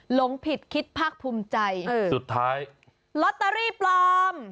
หลงผิดคิดภาคภูมิใจสุดท้ายลอตเตอรี่ปลอม